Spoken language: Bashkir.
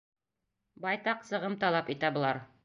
Байтаҡ сығым талап итә былар.